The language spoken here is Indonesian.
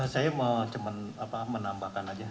saya mau cuma menambahkan aja